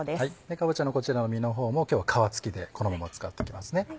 かぼちゃのこちらの実の方も今日は皮付きでこのまま使っていきますね。